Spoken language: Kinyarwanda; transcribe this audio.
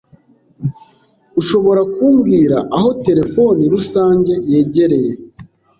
Ushobora kumbwira aho terefone rusange yegereye?